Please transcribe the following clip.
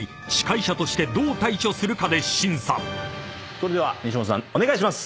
それでは西本さんお願いします！